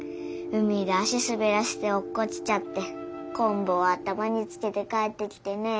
海で足すべらせておっこちちゃってこんぶを頭につけて帰ってきてね。